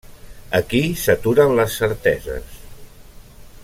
Aquí s'aturen les certeses.